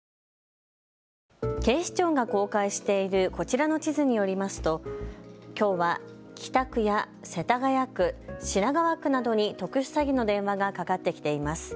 警視庁が公開しているこちらの地図によりますときょうは、北区や世田谷区、品川区などに特殊詐欺の電話がかかってきています。